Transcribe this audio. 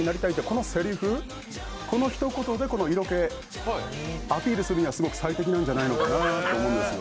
このせりふ、このひと言で色気、アピールするにはすごく最適なんじゃないかのなと思うんですよ。